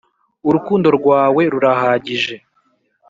urukundo rwawe rurahagije